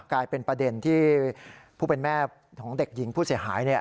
กลายเป็นประเด็นที่ผู้เป็นแม่ของเด็กหญิงผู้เสียหาย